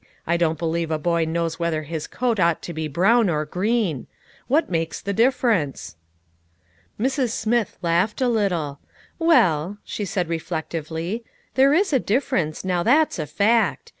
I don't believe a boy knows whether his coat ought to be brown or green. What makes the difference ?" Mrs. Smith laughed a little. "Well," she said reflectively, " there is a difference, now that's a fact.